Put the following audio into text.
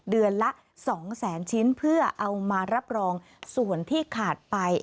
เดือนละ๒แสนชิ้นเพื่อเอามารับรองส่วนที่ขาดไป